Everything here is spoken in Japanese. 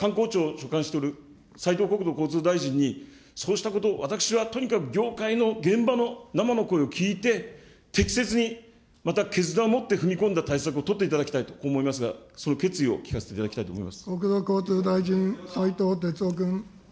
これは観光庁を所管している斉藤国土交通大臣に、そうしたことを、私はとにかく業界の現場の生の声を聞いて、適切にまた決断をもって踏み込んだ対策を取っていただきたいと、こう思いますが、その決意を聞かせていただきたいと思います。